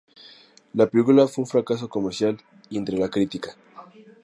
La película fue un fracaso comercial y entre la crítica.